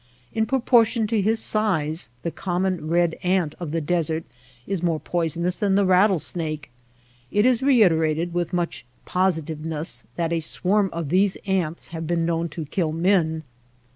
In propor tion to his size the common red ant of the desert is more poisonous than the rattlesnake. It is reiterated with much positiveness that a swarm of these ants have been known to kill men.